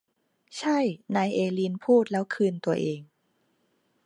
ใช่นายเอลีนพูดแล้วคืนตัวเอง